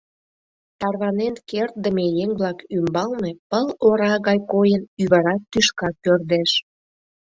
Тарванен кертдыме еҥ-влак ӱмбалне пыл ора гай койын ӱвыра тӱшка пӧрдеш.